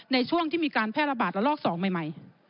ในช่วงที่มีการแพร่ระบาดระลอก๒ใหม่